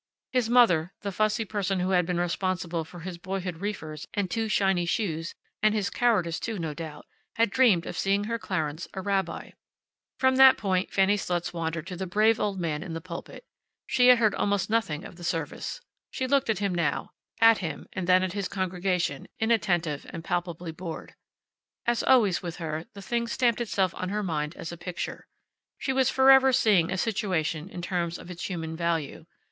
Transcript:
His mother, the fussy person who had been responsible for his boyhood reefers and too shiny shoes, and his cowardice too, no doubt, had dreamed of seeing her Clarence a rabbi. From that point Fanny's thoughts wandered to the brave old man in the pulpit. She had heard almost nothing of the service. She looked at him now at him, and then at his congregation, inattentive and palpably bored. As always with her, the thing stamped itself on her mind as a picture. She was forever seeing a situation in terms of its human value.